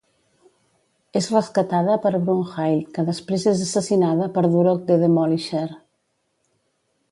És rescatada per Brunnhilde, que després és assassinada per Durok the Demolisher.